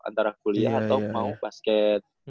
antara kuliah atau mau basket